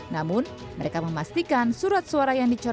namun mereka memastikan surat suara yang dicorkan